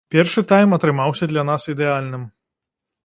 Першы тайм атрымаўся для нас ідэальным.